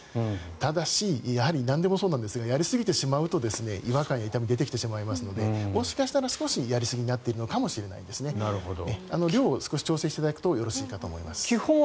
ただしやはりなんでもそうなんですがやりすぎてしまうと違和感や痛みが出てくるのでもしかしたら少しやりすぎになっているかと思いますので量を調整していただくといいと思います。